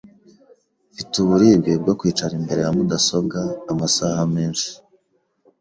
Mfite uburibwe bwo kwicara imbere ya mudasobwa amasaha menshi